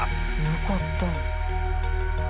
よかった！